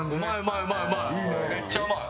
めっちゃうまい！